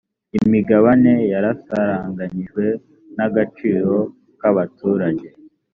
imigabane yasaranganyijwe n agaciro kabaturage